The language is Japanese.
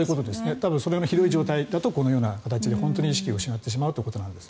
多分、そのひどい状態だとこのような形で本当に意識を失ってしまうということなんです。